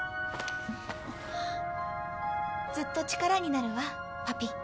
ずっと力になるわパピ。